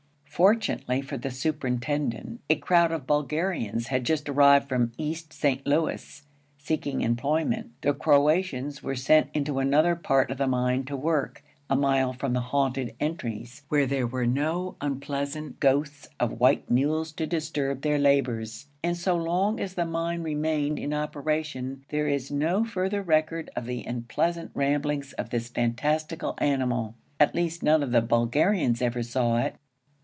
Fortunately for the superintendent, a crowd of Bulgarians had just arrived from East St. Louis, seeking employment. The Croatians were sent into another part of the mine to work, a mile from the haunted entries, where there were no unpleasant ghosts of white mules to disturb their labors; and so long as the mine remained in operation, there is no further record of the unpleasant ramblings of this fantastical animal; at least, none of the Bulgarians ever saw it.